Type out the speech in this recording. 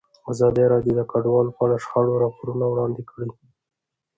ازادي راډیو د کډوال په اړه د شخړو راپورونه وړاندې کړي.